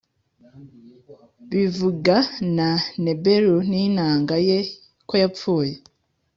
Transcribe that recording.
bivuga na nebelu n inanga ye koyapfuye